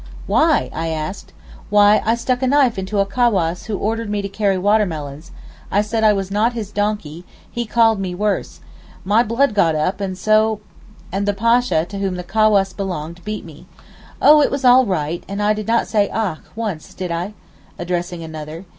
'Why?' I asked. 'Why, I stuck a knife into a cawass who ordered me to carry water melons; I said I was not his donkey; he called me worse: my blood got up, and so!—and the Pasha to whom the cawass belonged beat me. Oh, it was all right, and I did not say "ach" once, did I?' (addressing another).